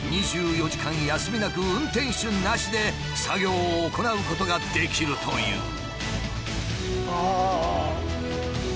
２４時間休みなく運転手なしで作業を行うことができるという。